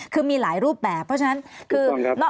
คือมีหลายรูปแบบเพราะฉะนั้นคือ